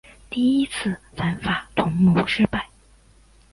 第一次反法同盟失败。